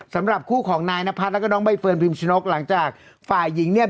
สำหรับคู่ของนายนพัฒน์แล้วก็น้องใบเฟิร์นพิมชนกหลังจากฝ่ายหญิงเนี่ย